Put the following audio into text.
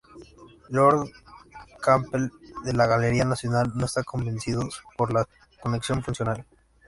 Lorne Campbell de la Galería Nacional no está convencido por la conexión funcional.